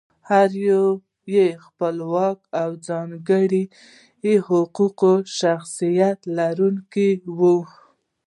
هر یو یې خپلواک او د ځانګړي حقوقي شخصیت لرونکی وي.